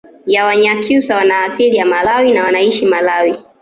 ya wanyakyusa wana asili ya malawi na wnaishi malawi